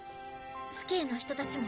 父兄の人たちも。